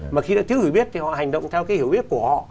mà khi thiếu hiểu biết thì họ hành động theo hiểu biết của họ